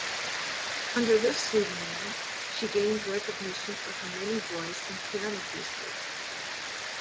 Under this pseudonym, she gained recognition for her many voice and piano pieces.